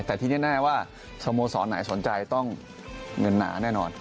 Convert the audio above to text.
แต่ที่แน่ว่าสโมสรไหนสนใจต้องเงินหนาแน่นอน